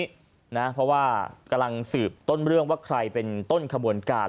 เพราะว่ากำลังสืบต้นเรื่องว่าใครเป็นต้นขบวนการ